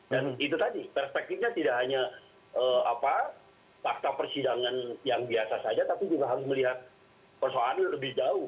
dan itu tadi perspektifnya tidak hanya fakta persidangan yang biasa saja tapi juga harus melihat persoalan lebih jauh